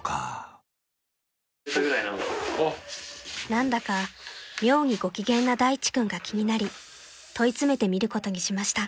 ［何だか妙にご機嫌な大地君が気になり問い詰めてみることにしました］